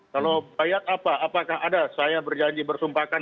kalau bayat apa apakah ada saya berjanji bersumpahkan